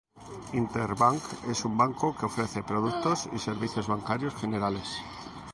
Interbank es un banco que ofrece productos y servicios bancarios generales.